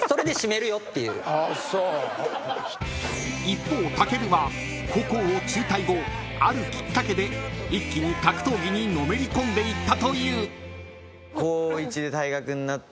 ［一方武尊は高校を中退後あるきっかけで一気に格闘技にのめり込んでいったという］